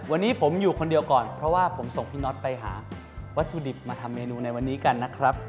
วันนี้ผมอยู่คนเดียวก่อนเพราะว่าผมส่งพี่น็อตไปหาวัตถุดิบมาทำเมนูในวันนี้กันนะครับ